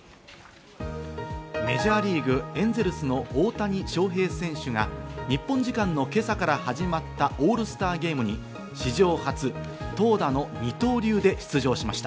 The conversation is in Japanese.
メジャーリーグ、エンゼルスの大谷翔平選手が日本時間の今朝から始まったオールスターゲームに史上初、投打の二刀流で出場しました。